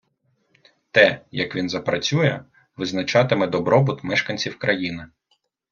Те, як він запрацює, визначатиме добробут мешканців країни